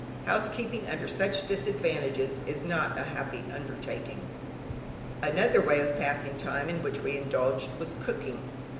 Housekeeping under such disadvantages is not a happy undertaking. Another way of passing time in which we indulged, was cooking.